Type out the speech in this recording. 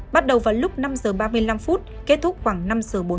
bắt đầu vào lúc năm h ba mươi năm kết thúc khoảng năm giờ bốn mươi